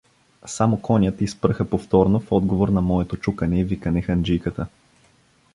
Само конят изпръха повторно в отговор на моето чукане и викане ханджийката.